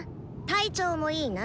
体調もいいな？